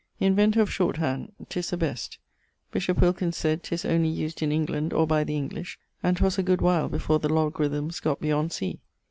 Inventor of Short hand, 'tis the best. Bishop Wilkins sayd, 'tis only used in England, or by the English; and 'twas a good while before the logarithmes gott beyond sea.